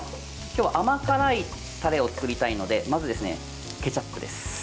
今日は甘辛いタレを作りたいのでまず、ケチャップです。